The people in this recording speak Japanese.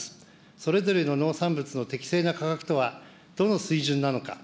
それぞれの農産物の適正な価格とは、どの水準なのか。